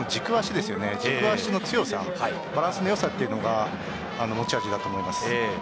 軸足の強さバランスのよさというのが持ち味だと思います。